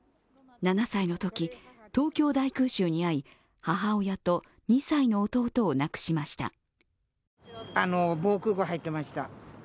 ７歳のとき、東京大空襲に遭い母親と２歳の弟をなくしました。